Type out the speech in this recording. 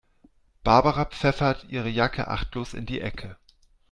Barbara pfeffert ihre Jacke achtlos in die Ecke.